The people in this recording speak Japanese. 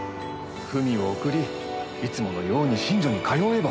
文を送りいつものように寝所に通えば。